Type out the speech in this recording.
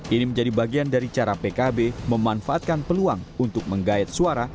ini menjadi bagian dari cara pkb memanfaatkan peluang untuk menggayat suara